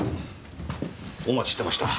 お待ちしてました。